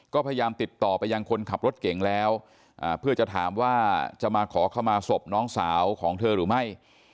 ก็พยายามติดต่อไปยังคนขับรถเก่งแล้วเพื่อจะถามว่าจะมาขอขมาศพน้องสาวของเธอหรือไม่